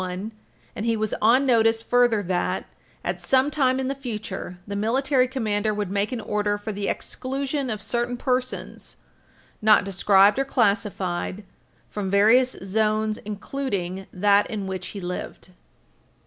1, and he was on notice further that, at sometime in the future, the Military Commander would make an order for the exclusion of certain persons, not described or classified, from various zones including that, in which he lived.